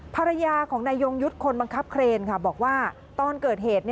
ภรรยาของนายยงยุทธ์คนบังคับเครนบอกว่าตอนเกิดเหตุ